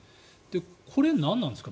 これ、なんなんですか？